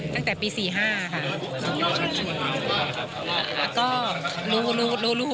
ตั้งแต่ปี๔๕๔๕ค่ะ